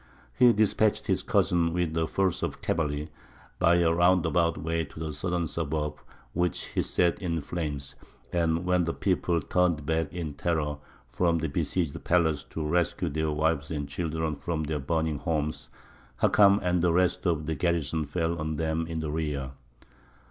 He despatched his cousin with a force of cavalry, by a roundabout way, to the southern suburb, which he set in flames, and when the people turned back in terror from the besieged palace to rescue their wives and children from their burning homes, Hakam and the rest of the garrison fell on them in the rear.